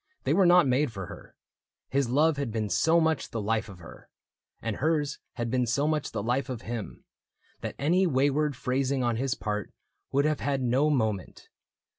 They were not made for her. His love had been so much the life of her. And hers had been so much the life of him. That any wayward phrasing on his part Would have had no moment.